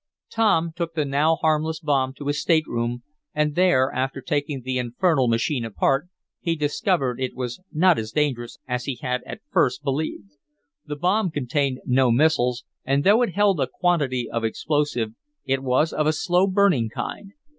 Tom took the now harmless bomb to his stateroom, and there, after taking the infernal machine apart, he discovered that it was not as dangerous as he had at first believed. The bomb contained no missiles, and though it held a quantity of explosive, it was of a slow burning kind.